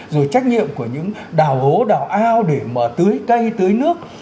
rồi trách nhiệm của những đào hố đào ao để mà tưới cây tưới nước